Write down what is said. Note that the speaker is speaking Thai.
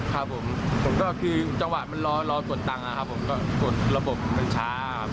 ครับผมผมก็คือจังหวะมันรอกดตังค์นะครับผมก็กดระบบมันช้าครับ